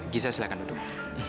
gisa silakan duduk